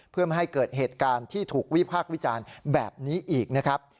เพื่อไม่ให้เกิดเหตุการณ์ที่ถูกวิพากษ์วิจารณ์แบบนี้อีกนะครับ